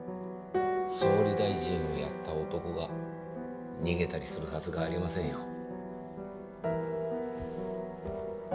総理大臣をやった男が逃げたりするはずがありませんよ。